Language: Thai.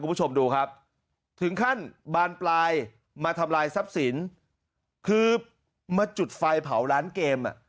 คุณผู้ชมดูครับถึงขั้นบานปลายมาทำลายทรัพย์สินคือมาจุดไฟเผาร้านเกมอ่ะ